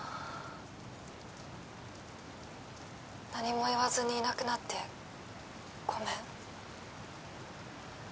何も言わずにいなくなってごめん